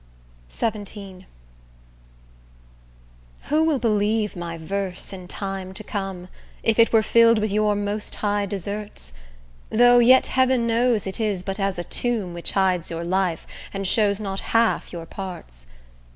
XVII Who will believe my verse in time to come, If it were fill'd with your most high deserts? Though yet heaven knows it is but as a tomb Which hides your life, and shows not half your parts.